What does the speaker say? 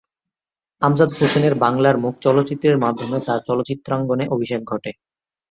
আমজাদ হোসেনের "বাংলার মুখ" চলচ্চিত্রের মাধ্যমে তার চলচ্চিত্রাঙ্গনে অভিষেক ঘটে।